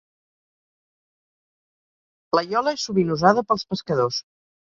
La iola és sovint usada per pescadors.